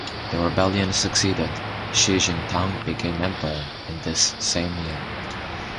The rebellion succeeded; Shi Jingtang became emperor in this same year.